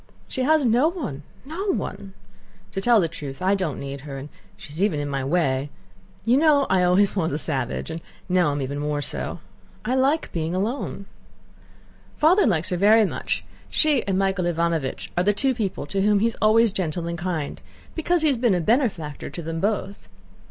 She has no one, no one. To tell the truth, I don't need her, and she's even in my way. You know I always was a savage, and now am even more so. I like being alone.... Father likes her very much. She and Michael Ivánovich are the two people to whom he is always gentle and kind, because he has been a benefactor to them both.